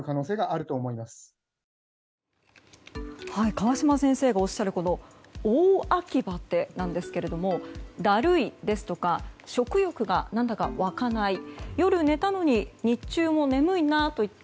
川嶋先生がおっしゃる大秋バテなんですけれどもだるいですとか食欲が何だか湧かない夜寝たのに日中も眠いなといった